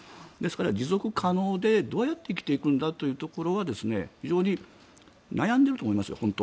ですから、持続可能でどうやって生きていくんだというところは非常に悩んでいると思いますよ。